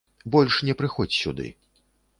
Больш не прыходзь сюды.